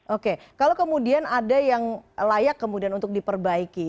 oke kalau kemudian ada yang layak kemudian untuk diperbaiki